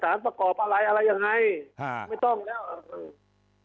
ส่องฟ้องสารประกอบอะไรอะไรยังไงไม่ต้องแล้ว